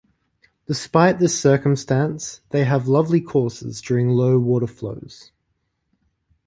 Despite this circumstance, they have lovely courses during low water flows.